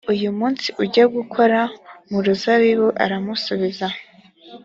uyu munsi ujye gukora mu ruzabibu aramusubiza